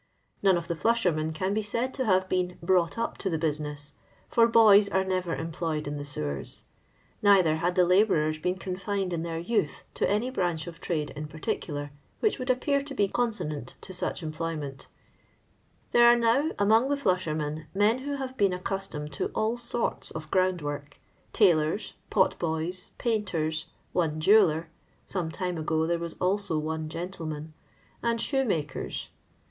None of the flushermen can be said to have been " brought up to the business," for boys arc never employed in the sewers. Neither had the labourers been confined in their youth to any branch of trade in particular, which would appear to be consonant to such employment There are now among the flushermen men who have been accustomed to " all sorts of ground work :" tailors, pot boys, painters, one jeweller (some time ngo there was also one gentleman), and shoemakers.